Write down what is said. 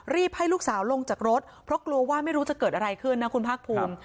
ให้ลูกสาวลงจากรถเพราะกลัวว่าไม่รู้จะเกิดอะไรขึ้นนะคุณภาคภูมิ